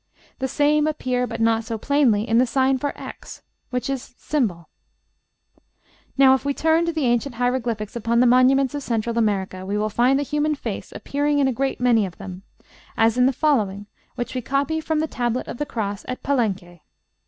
The same appear, but not so plainly, in the sign for x, which is ###. Now, if we turn to the ancient hieroglyphics upon the monuments of Central America, we will find the human face appearing in a great many of them, as in the following, which we copy from the Tablet of the Cross at Palenque.